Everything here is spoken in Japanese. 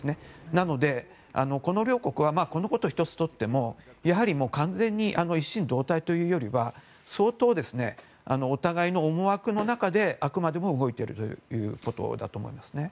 なので、この両国はこのこと一つとってもやはり完全に一心同体というよりは相当お互いの思惑の中であくまでも動いているということだと思いますね。